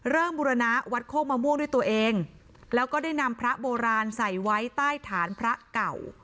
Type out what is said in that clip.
บุรณะวัดโคกมะม่วงด้วยตัวเองแล้วก็ได้นำพระโบราณใส่ไว้ใต้ฐานพระเก่า